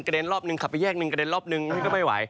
กระเด้นรอบหนึ่งขับไปแยกหนึ่งกระเด้นรอบหนึ่งนี่ก็ไม่ไหว